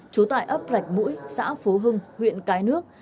trú tại ấp rạch mũi xã phú hưng huyện cái nước